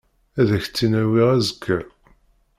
Ad ak-tt-in-awiɣ azekka.